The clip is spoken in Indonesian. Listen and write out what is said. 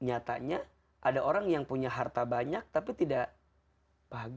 nyatanya ada orang yang punya harta banyak tapi tidak bahagia